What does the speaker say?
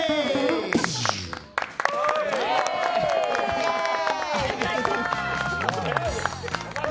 イェーイ！